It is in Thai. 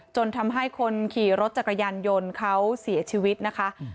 จนทำให้คนขี่รถจักรยานยนต์เขาเสียชีวิตนะคะ